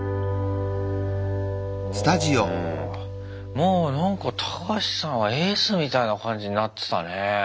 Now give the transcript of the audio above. もうなんかタカハシさんはエースみたいな感じになってたね。